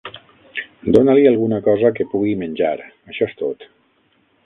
Dona-li alguna cosa que pugui menjar, això és tot.